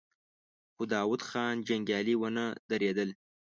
خو د داوود خان جنګيالي ونه درېدل.